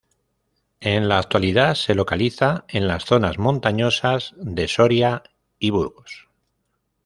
En la actualidad se localiza en las zonas montañosas de Soria y Burgos.